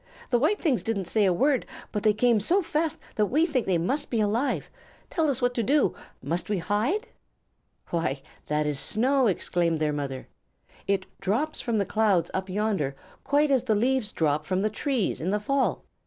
The white things didn't say a word, but they came so fast that we think they must be alive. Tell us what to do. Must we hide?" "Why, that is snow!" exclaimed their mother. "It drops from the clouds up yonder quite as the leaves drop from the trees in the fall.